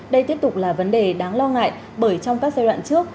đây tiếp tục là vấn đề đáng lo ngại bởi trong các giai đoạn trước